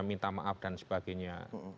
minta maaf dan sebagainya